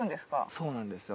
そうなんですよ。